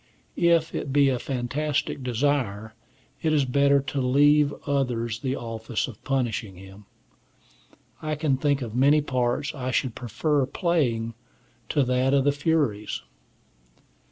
If it be a fantastic desire, it is better to leave to others the office of punishing him. I can think of many parts I should prefer playing to that of the Furies.